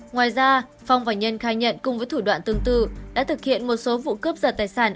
ngoài ra phong và nhân khai nhận cùng với thủ đoạn tương tự đã thực hiện một số vụ cướp giật tài sản